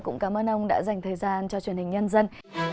cũng cảm ơn ông đã dành thời gian cho truyền hình nhân dân